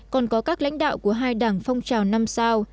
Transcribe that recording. còn có các lãnh đạo của hai đảng phong trào năm sao